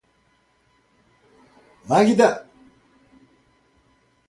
Magda